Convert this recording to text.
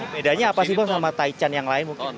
bedanya apa sih bang sama taichan yang lain mungkin